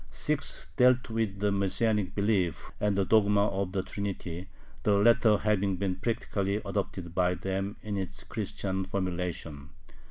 Six dealt with the Messianic belief and the dogma of the Trinity, the latter having been practically adopted by them in its Christian formulation.